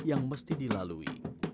ada yang mesti dilalui